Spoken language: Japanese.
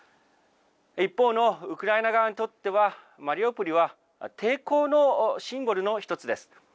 一方のウクライナ側にとっては、マリウポリは抵抗のシンボルの一つです。